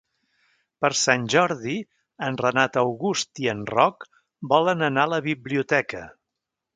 Per Sant Jordi en Renat August i en Roc volen anar a la biblioteca.